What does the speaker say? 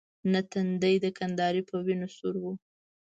نه تندی د کندهار په وینو سور وو.